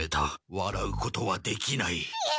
わらうことはできない。